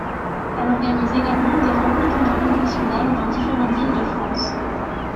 Elle organise également des rencontres entre professionnels dans différentes villes de France.